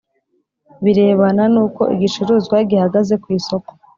birebana n uko igicuruzwa gihagaze ku isoko